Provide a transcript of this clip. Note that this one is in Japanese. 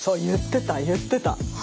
言ってた言ってた。